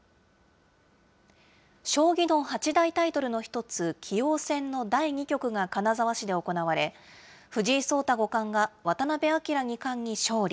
将棋の八大タイトルの一つ、棋王戦の第２局が金沢市で行われ、藤井聡太五冠が渡辺明二冠に勝利。